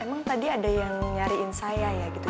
emang tadi ada yang nyariin saya ya gitu